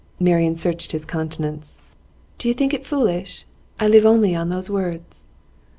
Marian searched his countenance. 'Do you think it foolish? I live only on those words.